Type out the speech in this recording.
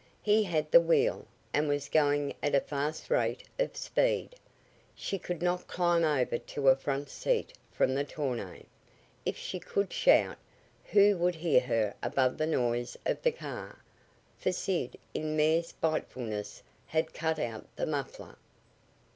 He had the wheel, and was going at a fast rate of speed. She could not climb over to a front seat from the tonneau. If she should shout, who would hear her above the noise of the car? For Sid in mere spitefulness had cut out the muffler.